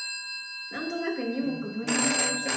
何となく２目分断されちゃって。